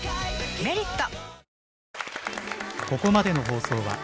「メリット」